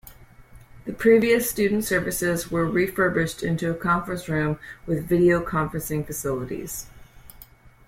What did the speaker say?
The previous Student Services were refurbished into a Conference room with video conferencing facilities.